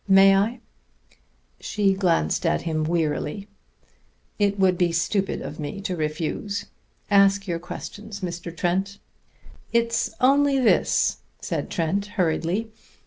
May I?" She glanced at him wearily. "It would be stupid of me to refuse. Ask your questions, Mr. Trent." "It's only this," said Trent hurriedly.